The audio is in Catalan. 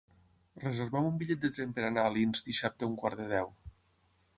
Reserva'm un bitllet de tren per anar a Alins dissabte a un quart de deu.